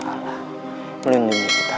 semoga allah swt menunjukkan kita